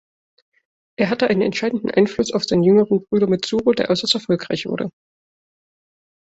Er hatte einen entscheidenden Einfluss auf seinen jüngeren Bruder Mitsuru, der äußerst erfolgreich wurde.